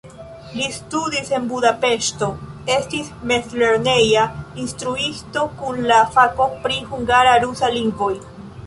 Li studis en Budapeŝto, estis mezlerneja instruisto kun la fako pri hungara-rusa lingvoj.